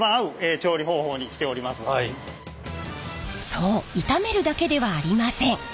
そう炒めるだけではありません。